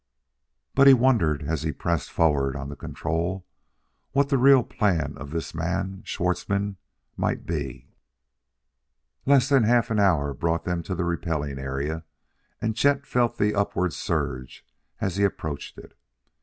But he wondered, as he pressed forward on the control, what the real plan of this man, Schwartzmann, might be.... Less than half an hour brought them to the Repelling Area, and Chet felt the upward surge as he approached it.